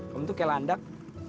kamu tuh kayak landak